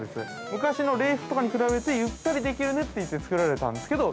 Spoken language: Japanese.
昔の礼服とかに比べて、ゆったりできるねといって作られたんですけど。